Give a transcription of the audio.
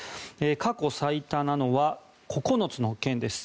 過去最多なのは９つの県です。